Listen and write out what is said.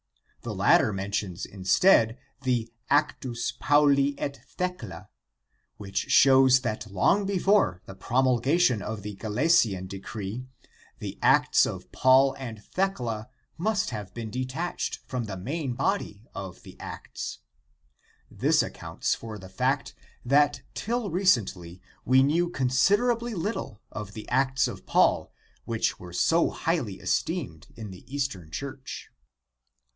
The latter mentions instead the Actus Pauli et Thcclce, which shows that long before the promulgation of the Gelasian decree the Acts of Paul and Thecla must have been de tached from the main body of the " Acts." This accounts for the fact that till recently we knew considerably little of the Acts of Paul which were so highly esteemed in the Eastern Church.